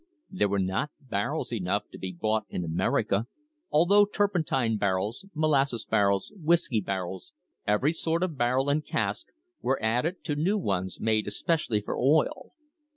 There were not barrels enough to be bought in America, although turpentine barrels, molasses barrels, whiskey barrels— every sort of barrel and cask— were added to new ones made especially for oil.